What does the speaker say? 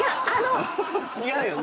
違うよね？